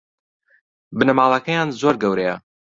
بنەماڵەکەیان زۆر گەورەیە